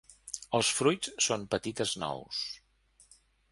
Els fruits són petites nous.